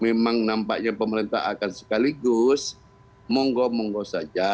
memang nampaknya pemerintah akan sekaligus monggo monggo saja